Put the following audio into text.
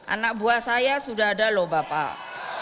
anak buah saya sudah ada loh bapak